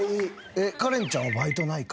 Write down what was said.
カレンちゃんはバイトないか。